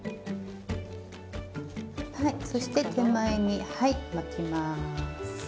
そして手前に巻きます。